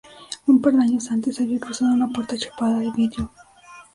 Un par de años antes, había cruzado una puerta chapada de vidrio.